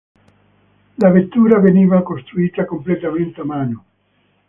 La vettura veniva costruita completamente a mano.